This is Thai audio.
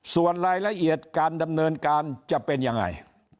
ส่วนรายละเอียดการดำเนินการจะเป็นยังไง